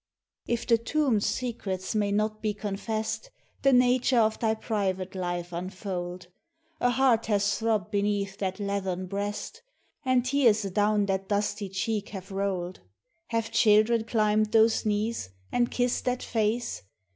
If the tomb's secrets may not be confessed, The nature of thy private life unfold : A heart has throbbed beneath that leathern breast, And tears adown that dusty cheek have rolled ; Have children climbed those knees, and kissed that face?